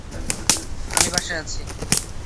আমি পাশে আছি।